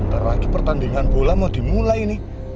ntar lagi pertandingan bola mau dimulai nih